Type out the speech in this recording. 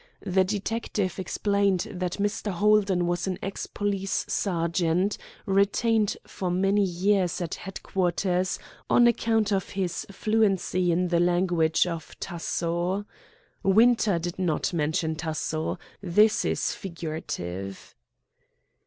The detective explained that Mr. Holden was an ex police sergeant, retained for many years at headquarters on account of his fluency in the language of Tasso. Winter did not mention Tasso. This is figurative.